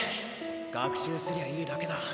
学習すりゃいいだけだ！